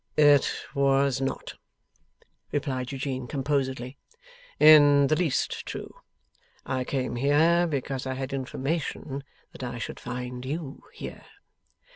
'It was not,' replied Eugene composedly, 'in the least true. I came here, because I had information that I should find you here.